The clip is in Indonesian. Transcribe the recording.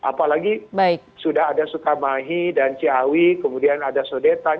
apalagi sudah ada sukamahi dan ciawi kemudian ada sodetan